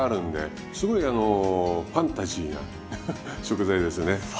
すごいあのファンタジーな食材ですよね。